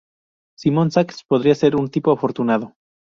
Simon Sax podría ser un tipo afortunado.